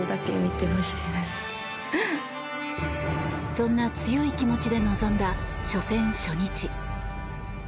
そんな強い気持ちで臨んだ初戦初日。